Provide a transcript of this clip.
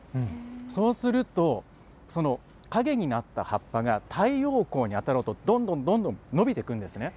そうすると、その陰になった葉っぱが太陽光に当たろうと、どんどんどんどん伸びてくんですね。